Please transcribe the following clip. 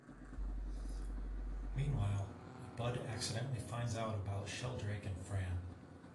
Meanwhile, Bud accidentally finds out about Sheldrake and Fran.